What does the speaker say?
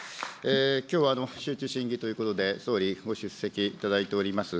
きょうは集中審議ということで、総理、ご出席いただいております。